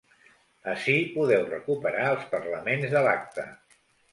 Ací podeu recuperar els parlaments de l’acte.